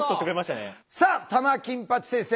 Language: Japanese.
さあ玉金八先生